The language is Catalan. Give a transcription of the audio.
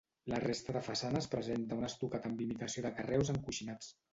La resta de façanes presenta un estucat amb imitació de carreus encoixinats.